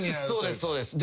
そうです。